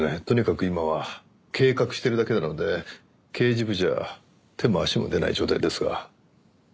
とにかく今は計画してるだけなので刑事部じゃ手も足も出ない状態ですが。